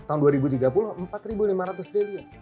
tahun dua ribu tiga puluh empat lima ratus triliun